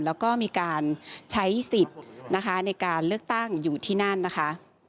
แล้วก็มีการใช้สิทธิ์นะคะในการเลือกตั้งอยู่ที่นั่นนะคะ